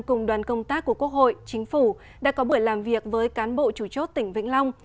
cùng đoàn công tác của quốc hội chính phủ đã có buổi làm việc với cán bộ chủ chốt tỉnh vĩnh long